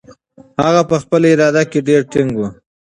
هغه په خپله اراده کې ډېر ټینګ و.